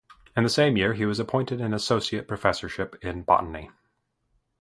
In the same year he was appointed an associate professorship in botany.